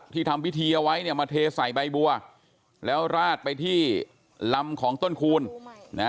ที่ทำวิธีเอาไว้มาเทใส่ใบบัวแล้วราดไปที่ลำของต้นคูณ